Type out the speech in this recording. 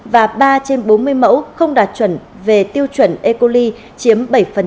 và ba trên bốn mươi mẫu không đạt chuẩn về tiêu chuẩn e coli chiếm bảy